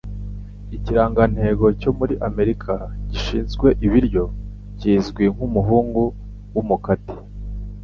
Ikirangantego cyo muri Amerika gishinzwe ibiryo kizwi nkumuhungu wumukate?